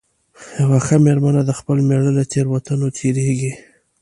یوه ښه مېرمنه د خپل مېړه له تېروتنو تېرېږي.